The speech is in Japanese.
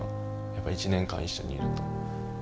やっぱり１年間一緒にいると。